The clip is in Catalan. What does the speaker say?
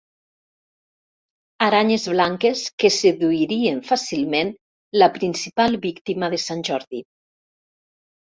Aranyes blanques que seduirien fàcilment la principal víctima de Sant Jordi.